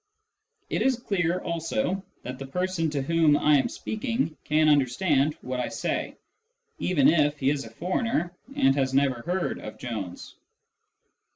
It is clear also that the person to whom I am speaking can understand what I say, even if he is a foreigner and has never heard of Jones.